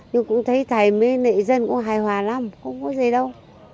nhưng cũng thấy thầy mới nệ dân cũng hài hòa lắm không có gì đâu